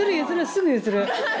すぐ譲る！